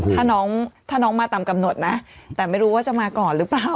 ถ้าน้องถ้าน้องมาตามกำหนดนะแต่ไม่รู้ว่าจะมาก่อนหรือเปล่า